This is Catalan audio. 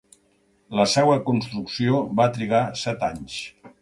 La seua construcció va trigar set anys.